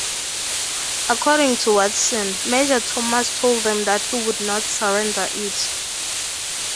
According to Watson, Major Thomas told them that he would not surrender it.